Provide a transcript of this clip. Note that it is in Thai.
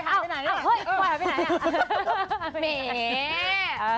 พอยหันไปไหนนี่